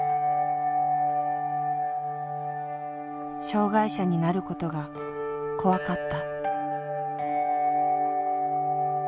障害者になることが怖かった。